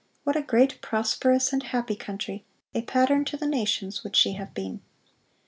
What a great, prosperous, and happy country—a pattern to the nations—would she have been!